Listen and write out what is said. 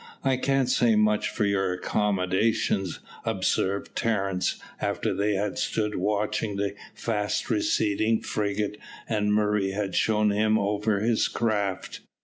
"I can't say much for your accommodation," observed Terence, after they had stood watching the fast receding frigate, and Murray had shown him over his craft.